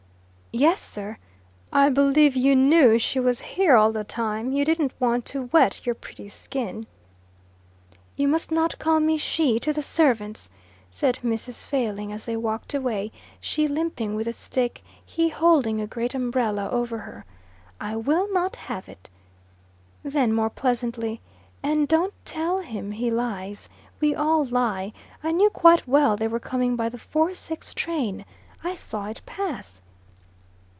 "Yes, sir." "I believe you knew she was here all the time. You didn't want to wet your pretty skin." "You must not call me 'she' to the servants," said Mrs. Failing as they walked away, she limping with a stick, he holding a great umbrella over her. "I will not have it." Then more pleasantly, "And don't tell him he lies. We all lie. I knew quite well they were coming by the four six train. I saw it pass."